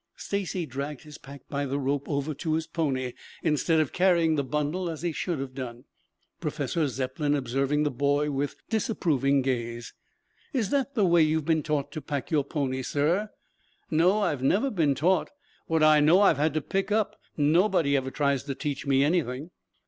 Stacy dragged his pack by the rope, over to his pony, instead of carrying the bundle as he should have done, Professor Zepplin observing the boy with disapproving gaze. "Is that the way you have been taught to pack your pony, sir?" "No. I've never been taught. What I know I've had to pick up. Nobody ever tries to teach me anything."